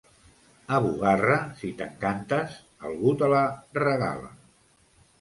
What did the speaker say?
A Bugarra, si t'encantes, algú te la... regala.